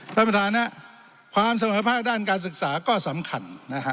ประมาณนั้นความสุขภาพด้านการศึกษาก็สำคัญ